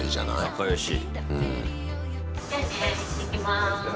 仲良し。